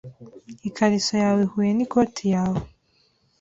Ikariso yawe ihuye n'ikoti yawe.